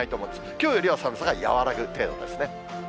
きょうよりは寒さが和らぐ程度ですね。